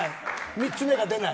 ３つ目が出てこない。